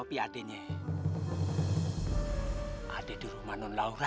tapi adeknya adek di rumah nen laura